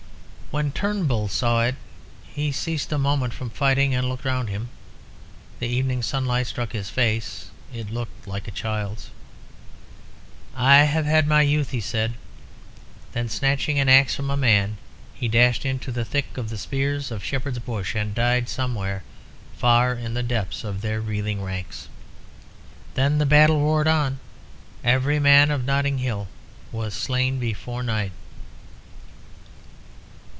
When Turnbull saw it, he ceased a moment from fighting, and looked round him. The evening sunlight struck his face; it looked like a child's. "I have had my youth," he said. Then, snatching an axe from a man, he dashed into the thick of the spears of Shepherd's Bush, and died somewhere far in the depths of their reeling ranks. Then the battle roared on; every man of Notting Hill was slain before night.